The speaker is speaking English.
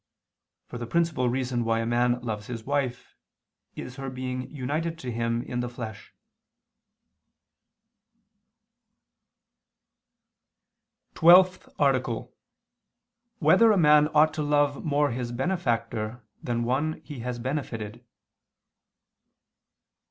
For the principal reason why a man loves his wife is her being united to him in the flesh. _______________________ TWELFTH ARTICLE [II II, Q. 26, Art. 12] Whether a Man Ought to Love More His Benefactor Than One He Has Benefited?